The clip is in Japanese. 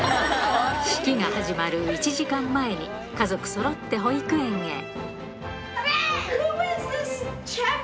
式が始まる１時間前に、家族そろって保育園へ。